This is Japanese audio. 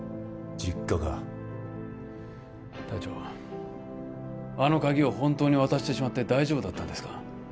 実家か隊長あの鍵を本当に渡してしまって大丈夫だったんですか？